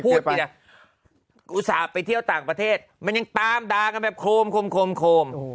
อุตส่าห์ไปเที่ยวต่างประเทศมันยังตามด่ากันแบบโคม